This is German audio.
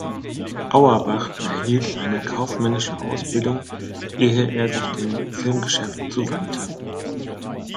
Auerbach erhielt eine kaufmännische Ausbildung ehe er sich dem Filmgeschäft zuwandte.